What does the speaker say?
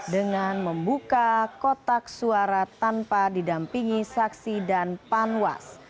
dengan membuka kotak suara tanpa didampingi saksi dan panwas